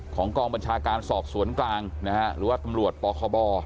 กองบัญชาการสอบสวนกลางนะฮะหรือว่าตำรวจปคบ